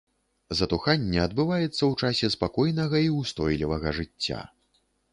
Затуханне адбываецца ў часе спакойнага і ўстойлівага жыцця.